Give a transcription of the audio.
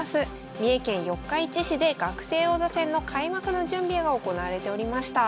三重県四日市市で学生王座戦の開幕の準備が行われておりました。